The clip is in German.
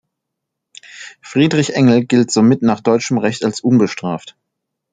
Friedrich Engel gilt somit nach deutschem Recht als unbestraft.